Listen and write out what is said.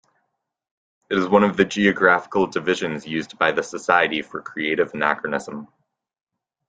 It is one of the geographical divisions used by the Society for Creative Anachronism.